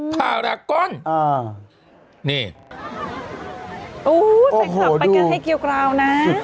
ภาระก้อนนี่โอ้โฮดูสุดยอดใส่ขับไปกันให้เกียวกราวนะ